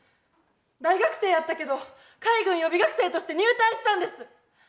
大学生やったけど海軍予備学生として入隊したんです。